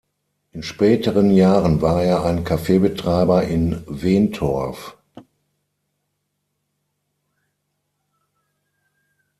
In späteren Jahren war er ein Cafe-Betreiber in Wentorf.